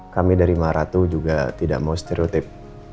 kami dari maratu juga tidak mau stereotip